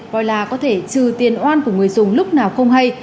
voila có thể trừ tiền oan của người dùng lúc nào không hay